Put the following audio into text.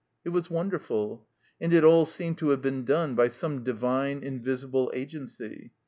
It was wonderful. And it all seemed to have been done by some divine, invisible agency.